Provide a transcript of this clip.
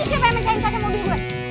ini siapa yang mencahin kaca mobil gue